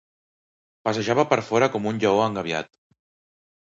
Passejava per fora com un lleó engabiat.